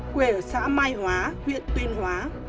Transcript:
quê ở xã mai hóa huyện tuyên hóa